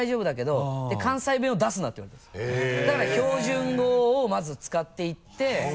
だから標準語をまず使っていって。